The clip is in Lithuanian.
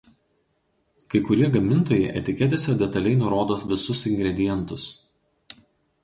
Kai kurie gamintojai etiketėse detaliai nurodo visus ingredientus.